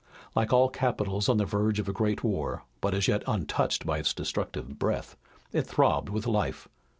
Like all capitals on the verge of a great war, but as yet untouched by its destructive breath, it throbbed with life.